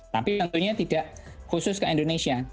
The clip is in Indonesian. tapi tentunya tidak khusus ke indonesia